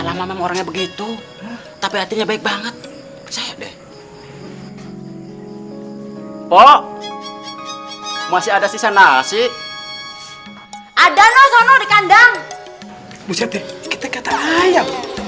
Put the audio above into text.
sampai jumpa di video selanjutnya